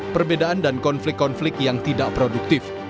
perbedaan dan konflik konflik yang tidak produktif